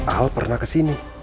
al pernah kesini